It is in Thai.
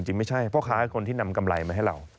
จริงไม่ใช่พ่อค้าคนที่นำกำไรมาให้เรา